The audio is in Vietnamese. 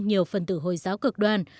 nhiều phần tử hồi giáo cực đoan